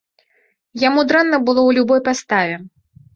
Яму дрэнна было ў любой паставе.